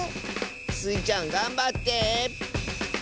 スイちゃんがんばって。